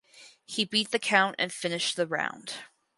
He beat the count and finished the round.